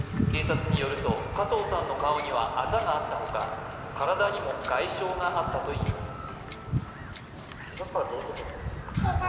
警察によると加藤さんの顔にはアザがあった他、体にも外傷があったといいます。